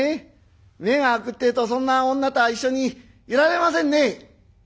目が明くってえとそんな女とは一緒にいられませんね」。